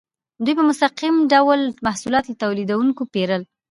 دوی په مستقیم ډول محصولات له تولیدونکو پیرل.